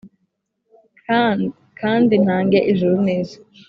kandi ntange ijuru n isi